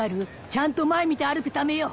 ちゃんと前見て歩くためよ！